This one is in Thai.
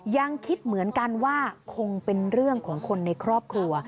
ยังคิดเหมือนกันว่าคงเป็นเรื่องของคนในครอบครัว